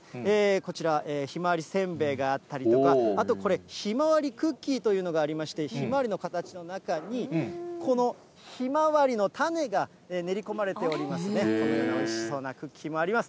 こちら、ひまわりせんべいがあったりとか、あとこれ、ひまわりクッキーというのがありまして、ひまわりの形の中に、このひまわりの種が練り込まれておりましてね、このようにおいしそうなクッキーもあります。